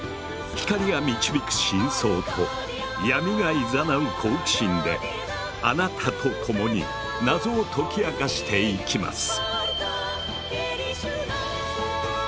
光が導く真相と闇が誘う好奇心であなたと共に謎を解き明かしていきます。